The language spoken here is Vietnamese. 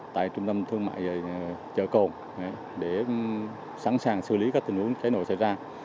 tại trung tâm thương mại chợ côn để sẵn sàng xử lý các tình huống cháy nổi xảy ra